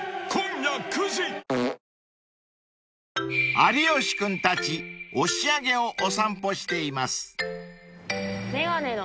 ［有吉君たち押上をお散歩しています］